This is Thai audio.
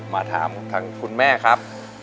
มาถามทางคุณแม่ครับ